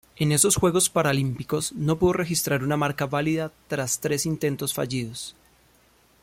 En esos Juegos Paralímpicos no pudo registrar una marca válida tras tres intentos fallidos.